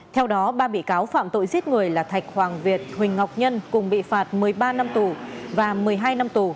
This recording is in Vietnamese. theo đó ba bị cáo phạm tội giết người là thạch hoàng việt huỳnh ngọc nhân cùng bị phạt một mươi ba năm tù